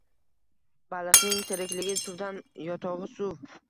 Baliqning tirikligi suvdan, yotog‘i - suv